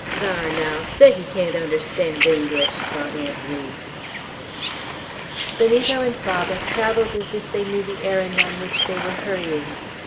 "Thar, naow, say he can't understand English!" thought Aunt Ri. Benito and Baba travelled as if they knew the errand on which they were hurrying.